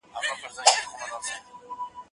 ليکنې وکړه،